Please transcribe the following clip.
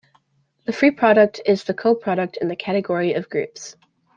The free product is the coproduct in the category of groups.